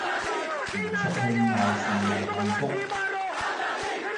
唔出去鬧事咪幸福